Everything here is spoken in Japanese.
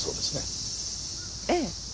ええ。